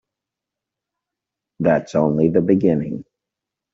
That's only the beginning.